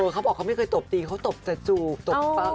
เขาบอกเขาไม่เคยตบตีเขาตบแต่จูบตบฟัง